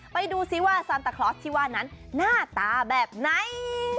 ไปดูซิว่าซันตาคลอสที่ว่านั้นหน้าตาแบบไหน